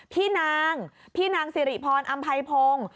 พี่นางพี่นางสิริพรอำไพพงศ์